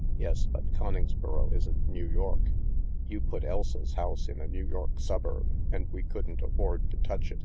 " Yes. But Coningsboro isn't New York. You put Elsa's house in a New York suburb, and we couldn't afford to touch it."